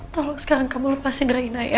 tolong sekarang kamu lepasin dari naya